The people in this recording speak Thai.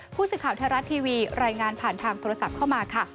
ผู้สื่อข่าวไทยรัฐทีวีรายงานผ่านทางโทรศัพท์เข้ามาค่ะ